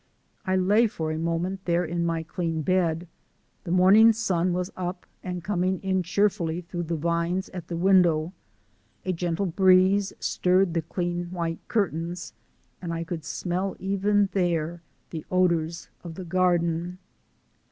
I lay for a moment there in my clean bed. The morning sun was up and coming in cheerfully through the vines at the window; a gentle breeze stirred the clean white curtains, and I could smell even there the odours of the garden.